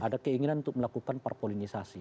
ada keinginan untuk melakukan parpolinisasi